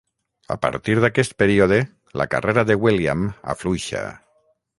A partir d'aquest període, la carrera de William afluixa.